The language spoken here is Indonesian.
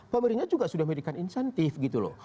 pemerintah juga sudah memberikan insentif gitu loh